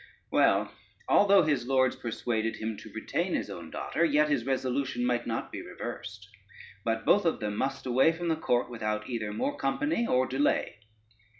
Well, although his lords persuaded him to retain his own daughter, yet his resolution might not be reversed, but both of them must away from the court without either more company or delay.